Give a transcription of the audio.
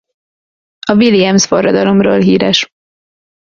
A Williams forradalomról híres.